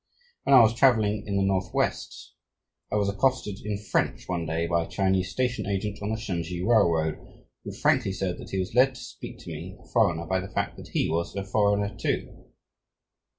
When I was travelling in the Northwest, I was accosted in French one day by a Chinese station agent, on the Shansi Railroad, who frankly said that he was led to speak to me, a foreigner, by the fact that he was a "foreigner" too.